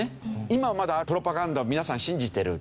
今はまだプロパガンダを皆さん信じてる。